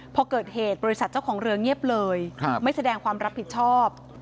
พอเกิดเหตุบริษัทเจ้าของเรือเงียบเลยไม่แสดงความรับผิดชอบ